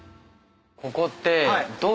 ここって。